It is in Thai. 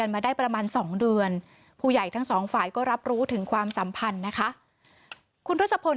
มีอยู่๑คัน